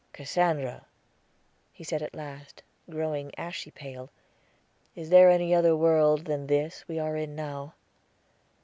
"Cassandra," he said at last, growing ashy pale, "is there any other world than this we are in now?"